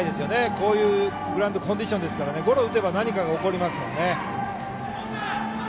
こういうグラウンドコンディションですからゴロを打てば何かが起こりますから。